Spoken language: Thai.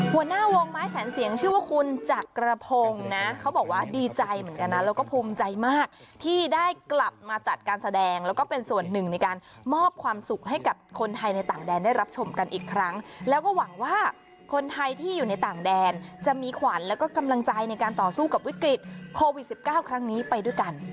หัวหน้าวงไม้แสนเสียงชื่อว่าคุณจักรพงศ์นะเขาบอกว่าดีใจเหมือนกันนะแล้วก็ภูมิใจมากที่ได้กลับมาจัดการแสดงแล้วก็เป็นส่วนหนึ่งในการมอบความสุขให้กับคนไทยในต่างแดนได้รับชมกันอีกครั้งแล้วก็หวังว่าคนไทยที่อยู่ในต่างแดนจะมีขวัญแล้วก็กำลังใจในการต่อสู้กับวิกฤตโควิด๑๙ครั้งนี้ไปด้วยกัน